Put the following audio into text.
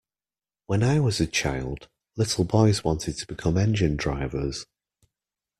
When I was a child, little boys wanted to become engine drivers.